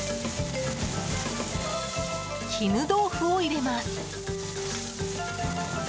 絹豆腐を入れます。